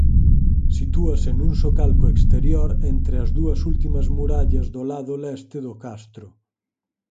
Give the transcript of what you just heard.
Sitúase nun socalco exterior entre as dúas últimas murallas do lado leste do castro.